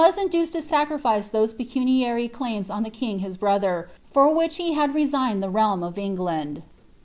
103 induced to sacrifice those pecuniary claims on the king his brother, for which he had resigned the realm of England.